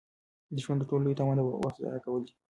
د ژوند تر ټولو لوی تاوان د وخت ضایع کول دي.